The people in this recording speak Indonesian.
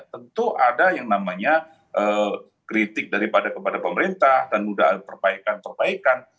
tentu ada yang namanya kritik daripada kepada pemerintah dan mudah perbaikan perbaikan